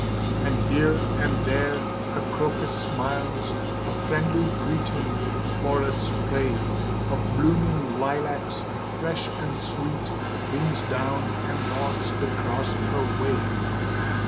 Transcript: And here and there a crocus smiles A friendly greeting, or a spray Of blooming lilacs, fresh and sweet, Leans down and nods across her way.